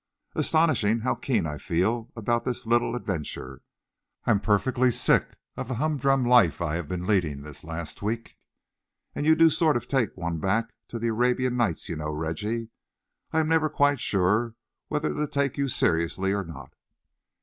"Astonishing how keen I feel about this little adventure. I'm perfectly sick of the humdrum life I have been leading the last week, and you do sort of take one back to the Arabian Nights, you know, Reggie. I am never quite sure whether to take you seriously or not."